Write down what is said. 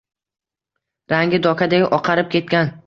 Rangi dokadek oqarib ketgan